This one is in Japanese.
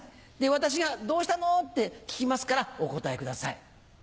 私が「どうしたの？」って聞きますからお答えください。